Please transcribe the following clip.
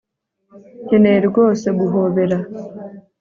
Nkeneye rwose guhobera